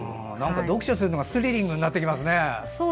読書するのがスリリングになっていきますね。